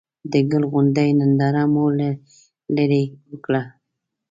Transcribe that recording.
د ګل غونډۍ ننداره مو له ليرې وکړه.